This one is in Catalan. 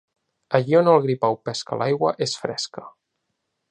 Allí on el gripau pesca l'aigua és fresca.